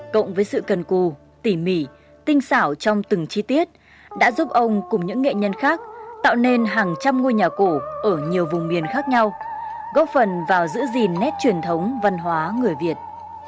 cộng với sự cần cù tỉ mỉ tinh xảo trong từng chi tiết đã giúp ông cùng những nghệ nhân khác tạo nên hàng trăm ngôi nhà cổ ở nhiều vùng miền khác nhau góp phần vào giữ gìn nét truyền thống văn hóa người việt